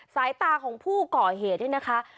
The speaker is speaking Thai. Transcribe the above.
สายตาของผู้ก่อเหตุนี่นะคะ